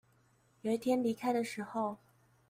有一天離開的時候